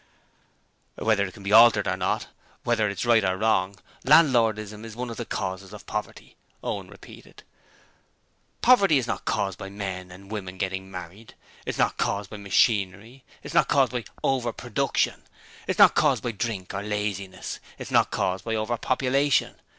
'Whether it can be altered or not, whether it's right or wrong, landlordism is one of the causes of poverty,' Owen repeated. 'Poverty is not caused by men and women getting married; it's not caused by machinery; it's not caused by "over production"; it's not caused by drink or laziness; and it's not caused by "over population".